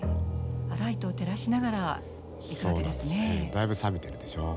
だいぶサビてるでしょう。